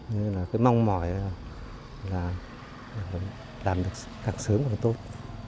nên là cái mong mỏi là làm được càng sớm càng tốt